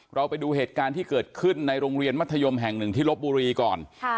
เราไปดูเหตุการณ์ที่เกิดขึ้นในโรงเรียนมัธยมแห่งหนึ่งที่ลบบุรีก่อน